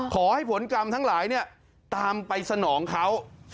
ขอให้ผลกรรมทั้งหลายตามไปสนองเขา